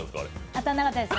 当たらなかったです。